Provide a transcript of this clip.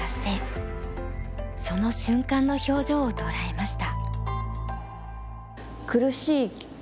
その瞬間の表情を捉えました。